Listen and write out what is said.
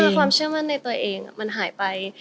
ความเชื่อมั่นในตัวเองมันหายไป